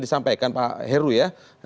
disampaikan pak heru ya